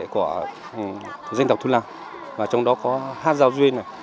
của dân tộc thu lao và trong đó có hát giao duyên